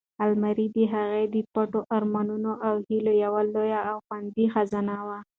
المارۍ د هغې د پټو ارمانونو او هیلو یوه لویه او خوندي خزانه وه.